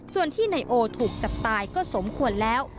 ส่วนที่นายโอถูกจับตายก็สมควรแล้ว